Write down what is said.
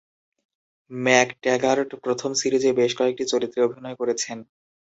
McTaggart প্রথম সিরিজে বেশ কয়েকটি চরিত্রে অভিনয় করেছেন।